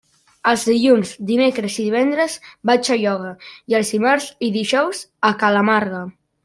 Els dilluns, dimecres i divendres vaig a ioga i els dimarts i dijous a ca la Marga.